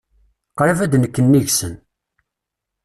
Qṛib ad d-nekk nnig-nsen.